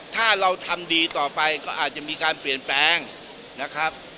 ถ้าเราทำดีต่อไปก็อาจจะมีการเปลี่ยนแปลงนะครับ